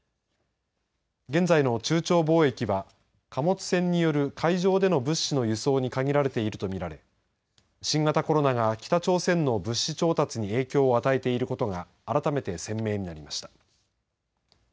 現在の中朝貿易は貨物船による海上での物資の輸送に限られているとみられ新型コロナが北朝鮮の物資調達に影響を与えていることが改めて鮮明になりました。